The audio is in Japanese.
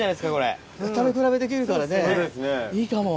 食べ比べできるからねいいかも。